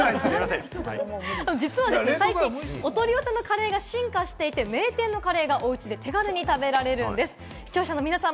実は最近、お取り寄せのカレーが進化していて、名店のカレーがおうちで手軽に食べられるんです。